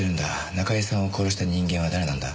中居さんを殺した人間は誰なんだ？